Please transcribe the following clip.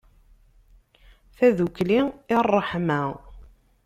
Tadukli i ṛṛeḥma.